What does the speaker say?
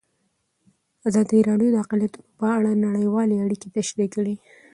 ازادي راډیو د اقلیتونه په اړه نړیوالې اړیکې تشریح کړي.